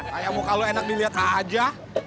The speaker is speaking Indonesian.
kayak muka lo enak dilihat aja